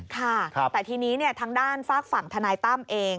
ค่ะแต่ทีนี้ทางด้านฝากฝั่งทนายตั้มเอง